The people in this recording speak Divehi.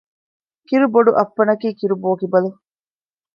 ކިރުބޮޑުއައްޕަނަކީ ކިރުބޯކިބަލު